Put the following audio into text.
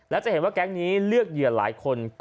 แล้วจะเห็นว่าแคนค์นี้เลือกเยี่ยมหลายคน